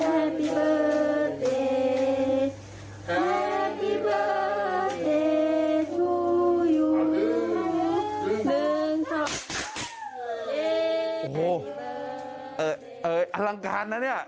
โอ้โหเออเอออลังการนะเนี่ย